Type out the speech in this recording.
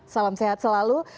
salam sehat selalu